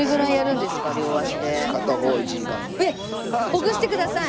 ほぐしてください！